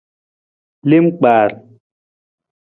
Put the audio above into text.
Lem kpar.